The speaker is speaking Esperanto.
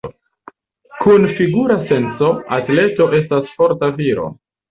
Kun figura senco, atleto estas forta viro.